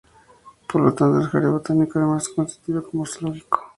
Por lo tanto, el jardín botánico además se constituyó como un zoológico.